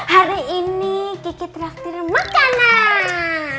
hari ini kiki traktir makanan